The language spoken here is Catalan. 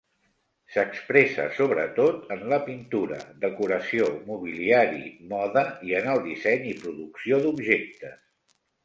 S'expressa sobretot en la pintura, decoració, mobiliari, moda i en el disseny i producció d'objectes.